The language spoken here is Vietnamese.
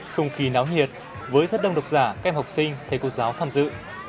không khí náo nhiệt với rất đông độc giả các em học sinh thầy cô giáo tham dự